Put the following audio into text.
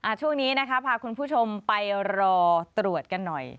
ช่วงนี้นะคะพาคุณผู้ชมไปรอตรวจกันหน่อย